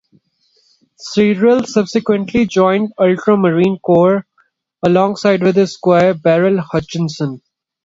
Cyril subsequently joined the Ultramarine Corps, alongside his own Squire, Beryl Hutchinson.